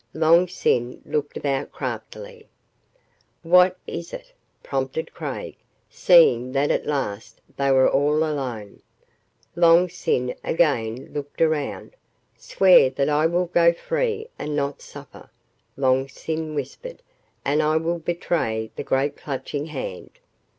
Long Sin looked about craftily. "What is it?" prompted Craig, seeing that at last they were all alone. Long Sin again looked around. "Swear that I will go free and not suffer," Long Sin whispered, "and I will betray the great Clutching Hand."